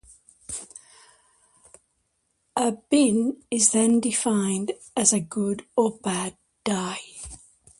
A bin is then defined as a good or bad die.